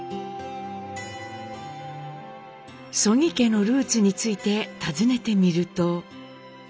曽木家のルーツについて尋ねてみると。